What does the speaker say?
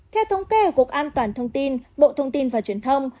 theo thống kê của cục an toàn thông tin bộ thông tin và truyền thông